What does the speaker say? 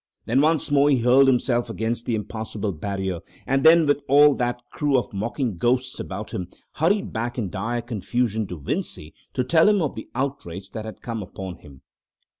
Then once more he hurled himself against the impassable barrier, and then with all that crew of mocking ghosts about him, hurried back in dire confusion to Vincey to tell him of the outrage that had come upon him.